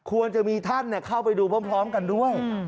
ควรจะมีท่านเข้าไปดูพร้อมกันด้วย